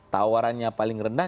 tawarannya paling rendah